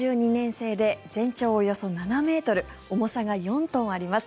製で全長およそ７ｍ重さが４トンあります。